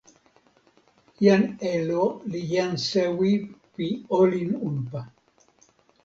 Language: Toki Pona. jan Elo li jan sewi pi olin unpa.